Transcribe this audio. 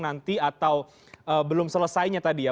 mungkin masih berlangsung nanti atau belum selesainya tadi ya